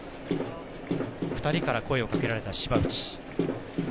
２人から声をかけられた島内。